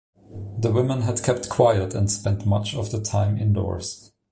The women had to keep quiet and spend much of the time indoors.